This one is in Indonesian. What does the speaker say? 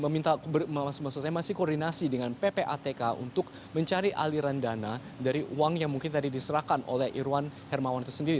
maksud saya masih koordinasi dengan ppatk untuk mencari aliran dana dari uang yang mungkin tadi diserahkan oleh irwan hermawan itu sendiri